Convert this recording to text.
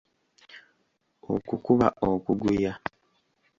Okwo kuba okuguya.